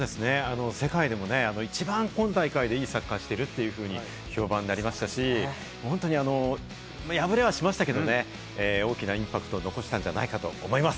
世界でも一番、今大会でいいサッカーしていると評判になりましたし、本当に敗れはしましたけれど、大きなインパクトを残したんじゃないかと思います。